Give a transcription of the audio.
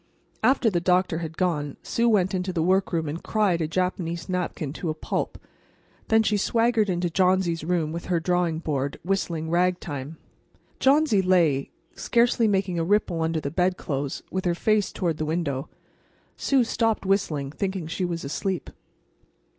After the doctor had gone Sue went into the workroom and cried a Japanese napkin to a pulp. Then she swaggered into Johnsy's room with her drawing board, whistling ragtime. Johnsy lay, scarcely making a ripple under the bedclothes, with her face toward the window. Sue stopped whistling, thinking she was asleep.